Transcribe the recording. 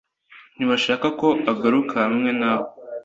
Ntibashaka ko ugaruka hamwe nawe.